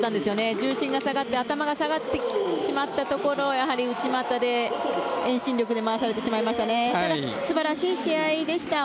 重心が下がって頭が下がってしまったところを内股で遠心力で回されてしまいましたね。